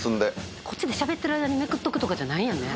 こっちでしゃべってる間にめくっとくとかじゃないんやね。